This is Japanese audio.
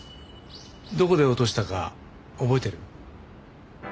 どこで落としたか覚えてる？